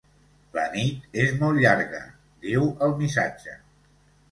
La nit és molt llarga, diu el missatge.